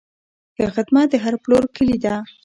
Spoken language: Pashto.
ښه خدمت د هر پلور کلي ده.